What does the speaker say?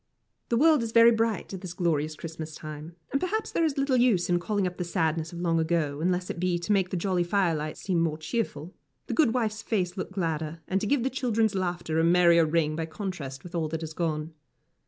The world is very bright at this glorious Christmas time, and perhaps there is little use in calling up the sadness of long ago, unless it be to make the jolly firelight seem more cheerful, the good wife's face look gladder, and to give the children's laughter a merrier ring, by contrast with all that is gone.